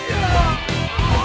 saya yang menang